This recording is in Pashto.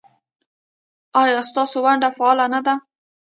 ایا ستاسو ونډه فعاله نه ده؟